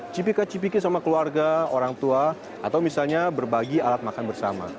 cipika cipiki sama keluarga orang tua atau misalnya berbagi alat makan bersama